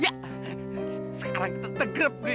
ya sekarang kita tegrep dia